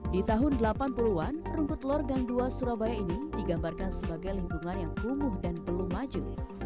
di tahun delapan puluh an rumput lor gang dua surabaya ini digambarkan sebagai lingkungan yang kumuh dan belum maju